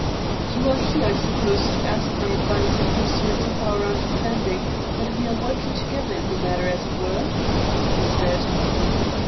"You are here, I suppose, to ask my advice in pursuance of our understanding that we are working together in the matter, as it were?" he said.